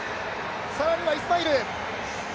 更にはイスマイル。